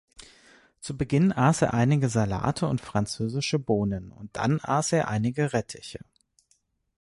Zu Beginn aß er einige Salate und französische Bohnen, und dann aß er einige Rettiche.